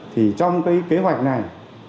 thì trong cái kế hoạch này